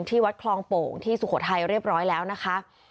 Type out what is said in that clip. วัดคลองโป่งที่สุโขทัยเรียบร้อยแล้วนะคะ